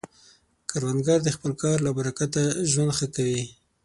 کروندګر د خپل کار له برکته ژوند ښه کوي